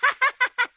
ハハハハ！